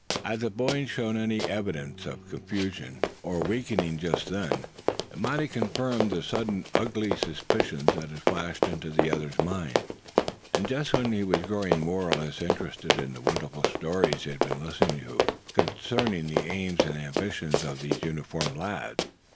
Had the boy shown any evidences of confusion or weakening just then, it might have confirmed the sudden ugly suspicions that had flashed into the other's mind, and just when he was growing more or less interested in the wonderful stories he had been listening to concerning the aims and ambitions of these uniformed lads.